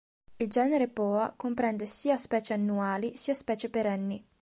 Il genere "Poa" comprende sia specie annuali sia specie perenni.